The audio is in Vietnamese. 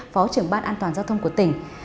phó trưởng ban an toàn giao thông của tỉnh